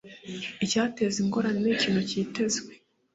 Icyateza Ingorane Ni Ikintu Cyitezwe